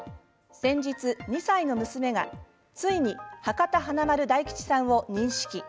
先日、２歳の娘がついに博多華丸・大吉さんを認識。